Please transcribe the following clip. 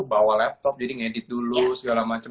bawa laptop jadi ngedit dulu segala macam